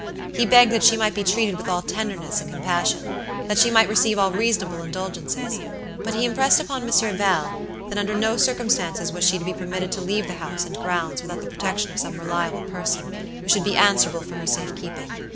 He begged that she might be treated with all tenderness and compassion; that she might receive all reasonable indulgences; but he impressed upon Monsieur Val, that under no circumstances was she to be permitted to leave the house and grounds without the protection of some reliable person, who should be answerable for her safe keeping.